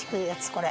これ。